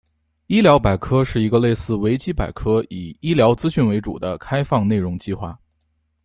医疗百科是一个类似维基百科以医疗资讯为主的开放内容计划。